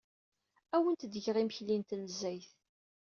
Ad awent-d-geɣ imekli n tnezzayt.